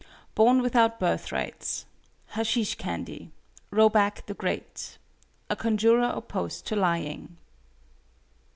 BORN WITHOUT BIRTHRIGHTS. HASHEESH CANDY. ROBACK THE GREAT. A CONJURER OPPOSED TO LYING.